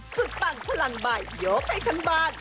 สุดปังพลังบายยกให้ทันบาท